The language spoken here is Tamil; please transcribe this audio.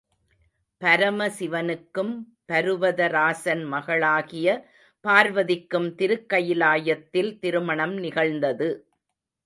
பரமசிவனுக்கும் பருவதராசன் மகளாகிய பார்வதிக்கும் திருக்கயிலாயத்தில் திருமணம் நிகழ்ந்தது.